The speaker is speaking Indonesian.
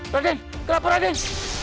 raden kenapa raden